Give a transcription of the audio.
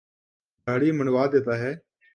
داڑھی منڈوا دیتا ہے۔